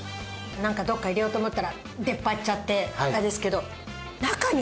なんかどこか入れようと思ったら出っ張っちゃってあれですけど中に入っちゃう。